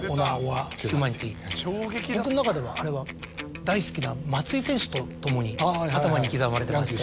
僕の中ではあれは大好きな松井選手と共に頭に刻まれてまして。